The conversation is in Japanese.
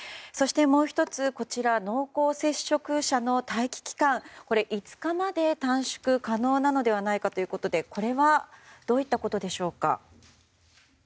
そしてもう１つ、こちら濃厚接触者の待機期間５日まで短縮可能なのではないのかということでこれはどういったことでしょうか。